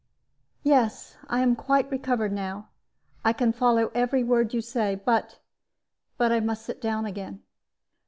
"Yes; I am quite recovered now. I can follow every word you say. But but I must sit down again."